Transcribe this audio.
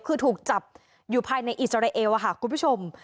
คือถูกจับอยู่ภายในอิสราเอลค่ะคุณผู้ชม